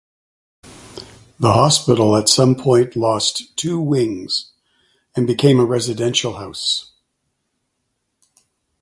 The Hospital at some point lost two wings, and became a residential house.